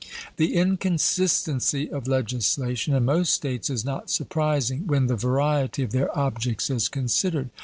The inconsistency of legislation in most states is not surprising, when the variety of their objects is considered.